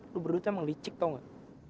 lu berduitnya emang licik tau gak